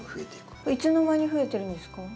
これいつの間に増えてるんですか？